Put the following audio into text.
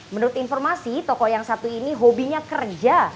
menurut informasi toko yang satu ini hobinya kerja